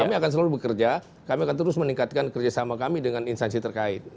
kami akan selalu bekerja kami akan terus meningkatkan kerjasama kami dengan instansi terkait